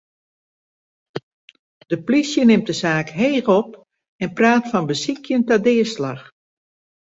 De plysje nimt de saak heech op en praat fan besykjen ta deaslach.